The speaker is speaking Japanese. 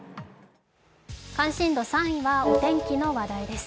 関心度３位はお天気の話題です。